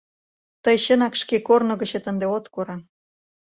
Тый чынак шке корно гычет ынде от кораҥ...